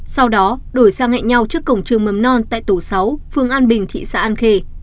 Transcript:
sau đó đổi sang hẹn nhau trước cổng trường mầm non tại tổ sáu phương an bình thị xã an khê